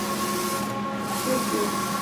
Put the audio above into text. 蒋溥为大学士蒋廷锡之子。